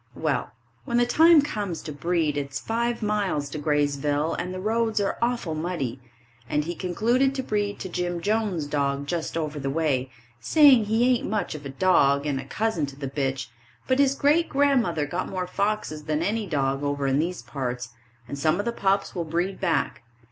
Well, when the time comes to breed it's five miles to Graysville, and the roads are awful muddy, and he concluded to breed to Jim Jones' dog just over the way, saying he ain't much of a dog, and a cousin to the bitch, but his great grandmother got more foxes than any dog over in these parts, and some of the pups will breed back.